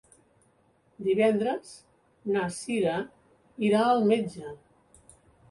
Divendres na Cira irà al metge.